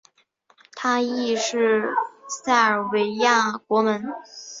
他亦是塞尔维亚国门。